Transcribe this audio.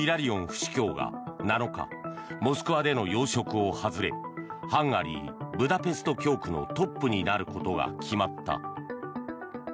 府主教が７日モスクワでの要職を外れハンガリー・ブダペスト教区のトップになることが決まった。